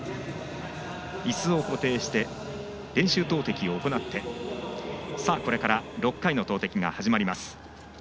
いすを固定して練習投てきを行ってこれから６回の投てきが始まります。